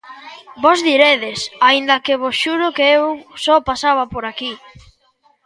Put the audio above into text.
Vós diredes, aínda que vos xuro que eu só pasaba por aquí.